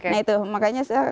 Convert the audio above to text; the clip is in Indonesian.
nah itu makanya saya